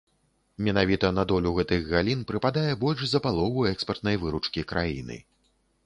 Менавіта на долю гэтых галін прыпадае больш за палову экспартнай выручкі краіны.